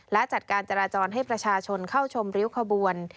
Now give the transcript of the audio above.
และจัดการจราจรให้ประชาชนเข้าชมริ้วขบวน